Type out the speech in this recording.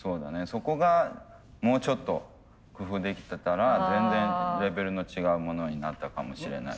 そこがもうちょっと工夫できてたら全然レベルの違うものになったかもしれない。